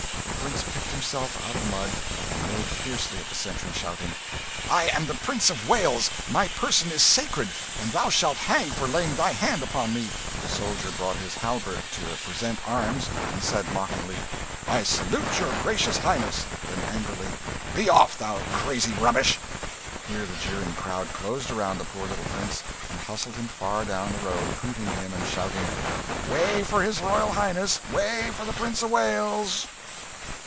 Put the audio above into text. The prince picked himself out of the mud, and made fiercely at the sentry, shouting "I am the Prince of Wales, my person is sacred; and thou shalt hang for laying thy hand upon me!" The soldier brought his halberd to a present arms and said mockingly "I salute your gracious Highness." Then angrily "Be off, thou crazy rubbish!" Here the jeering crowd closed round the poor little prince, and hustled him far down the road, hooting him, and shouting "Way for his Royal Highness! Way for the Prince of Wales!"